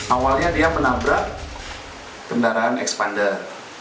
awalnya dia menabrak kendaraan expander